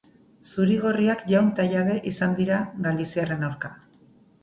Zuri-gorriak jaun eta jabe izan dira galiziarren aurka.